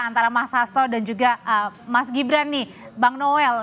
antara mas hasto dan juga mas gibran nih bang noel